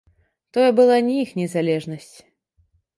Тое была не іх незалежнасць.